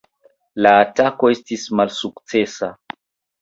La atako estis malsukcesa.